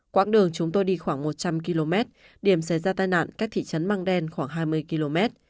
quãng đường chúng tôi đi khoảng một trăm linh km điểm xảy ra tai nạn cách thị trấn măng đen khoảng hai mươi km